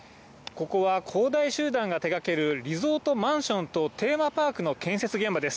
ここは恒大集団が手がけるリゾートマンションとテーマパークの建設現場です。